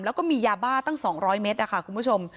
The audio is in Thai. แล้วก็มียาบ้าตั้ง๒๐๐เมตรนะคะคุณผู้ชม